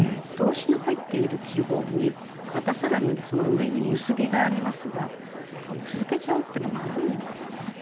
動詞の入っている季語にまた更にその上に「結び」がありますが続けちゃうっていうのはまずいんですね。